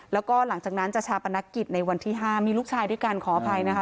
แล้วก็หลังจากนั้นจะชาปนกิจในวันที่๕มีลูกชายด้วยกันขออภัยนะคะ